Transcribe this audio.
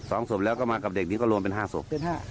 สองสบแล้วก็มากับเด็กนี้ก็รวมเป็น๕สบ